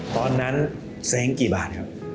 ตอนนั้นเซ้งกี่บาทครับ